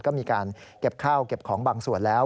ก็มีการเก็บข้าวเก็บของบางส่วนแล้ว